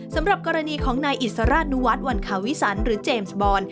สำหรับกรณีของนายอิสราชนุวัฒน์วันคาวิสันหรือเจมส์บอล